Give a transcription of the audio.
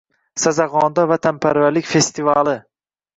“Sazag‘on”da vatanparvarlik festivali